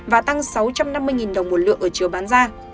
và tăng sáu trăm năm mươi đồng một lượng ở chiều bán ra